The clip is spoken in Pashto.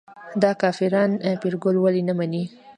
دا کافران پیرګل ولې نه مني.